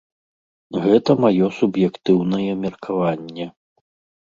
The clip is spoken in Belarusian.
Гэта маё суб'ектыўнае меркаванне.